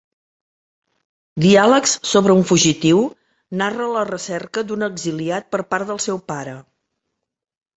Diàlegs sobre un fugitiu narra la recerca d'un exiliat per part del seu pare.